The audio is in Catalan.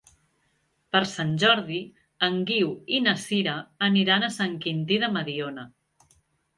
Per Sant Jordi en Guiu i na Sira aniran a Sant Quintí de Mediona.